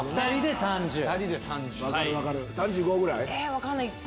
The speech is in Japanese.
分かんない！